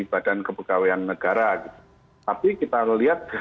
badan kepegawaian negara tapi kita lihat